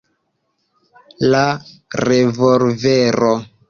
La revolvero.